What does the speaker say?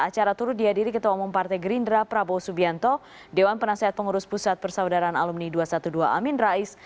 acara turut dihadiri ketua umum partai gerindra prabowo subianto dewan penasehat pengurus pusat persaudaraan alumni dua ratus dua belas amin rais